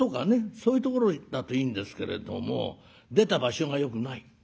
そういうところだといいんですけれども出た場所がよくない。